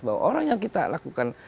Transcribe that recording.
bahwa orang yang kita lakukan